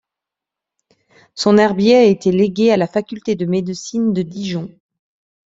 Son herbier a été légué à la Faculté de médecine de Dijon.